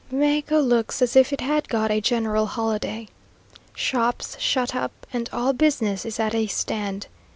Mexico looks as if it had got a general holiday. Shops shut up, and all business is at a stand.